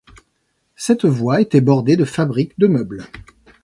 Cette voie était bordée de fabriques de meubles.